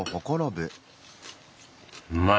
うまい！